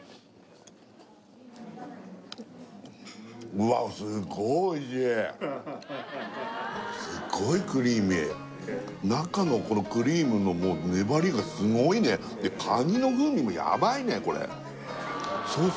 うわっすっごいクリーミー中のこのクリームのもう粘りがすごいねでカニの風味もヤバいねこれソース